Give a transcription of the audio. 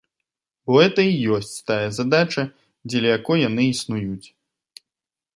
Бо гэта і ёсць тая задача, дзеля якой яны існуюць.